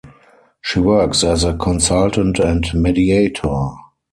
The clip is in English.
She works as a consultant and mediator.